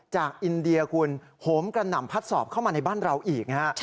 อินเดียคุณโหมกระหน่ำพัดสอบเข้ามาในบ้านเราอีกนะฮะ